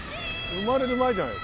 生まれる前じゃない？